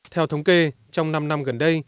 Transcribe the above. theo thống kê trong năm năm gần đây